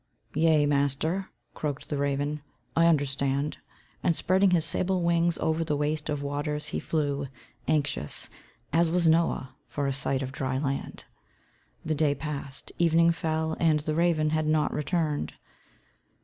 "Yea, master," croaked the raven, "I understand," and spreading his sable wings over the waste of waters he flew, anxious, as was Noah, for a sight of dry land. The day passed, evening fell, and the raven had not returned.